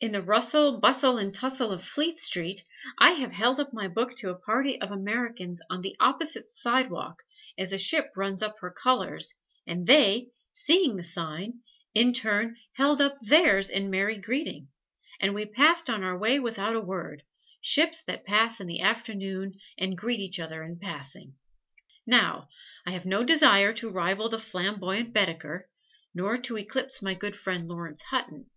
In the rustle, bustle and tussle of Fleet Street, I have held up my book to a party of Americans on the opposite sidewalk, as a ship runs up her colors, and they, seeing the sign, in turn held up theirs in merry greeting; and we passed on our way without a word, ships that pass in the afternoon and greet each other in passing. Now, I have no desire to rival the flamboyant Baedeker, nor to eclipse my good friend Laurence Hutton.